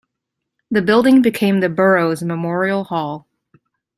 The building became the borough's Memorial Hall.